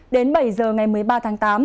đến bảy h ngày một mươi ba tháng tám